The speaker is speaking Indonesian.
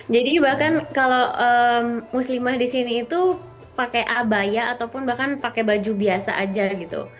jadi bahkan kalau muslimah di sini itu pakai abaya ataupun bahkan pakai baju biasa aja gitu